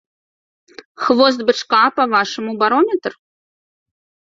Хвост бычка, па-вашаму, барометр?